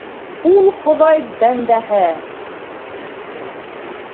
Ул Хоҙай бәндәһе!